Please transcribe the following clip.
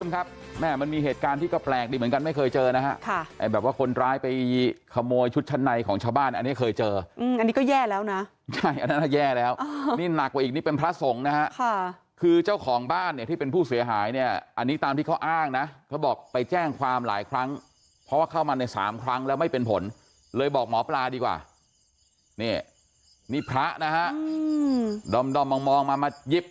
ครับแม่มันมีเหตุการณ์ที่ก็แปลกดีเหมือนกันไม่เคยเจอนะฮะแบบว่าคนร้ายไปขโมยชุดชั้นในของชาวบ้านอันนี้เคยเจออันนี้ก็แย่แล้วนะใช่อันนั้นแย่แล้วนี่หนักกว่าอีกนิดเป็นพระสงฆ์นะฮะค่ะคือเจ้าของบ้านเนี่ยที่เป็นผู้เสียหายเนี่ยอันนี้ตามที่เขาอ้างนะเขาบอกไปแจ้งความหลายครั้งเพราะว่าเข้ามาในสาม